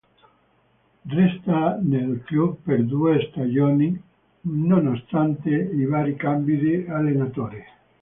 Resta nel club per due stagioni, nonostante i vari cambi di allenatore.